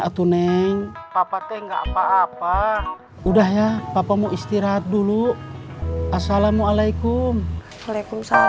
atau neng papa teh nggak apa apa udah ya papa mau istirahat dulu assalamualaikum waalaikumsalam